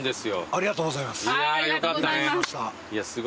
ありがとうございます。